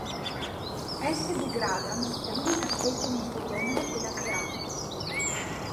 S. degradans è l'unica specie nel suo genere appena creato.